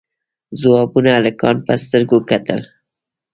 ځوانو هلکانو په سترګه کتل.